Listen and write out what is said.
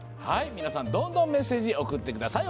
皆さん、どんどんメッセージ送ってください。